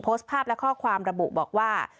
โพสต์ภาพและข้อความระบุบอกว่า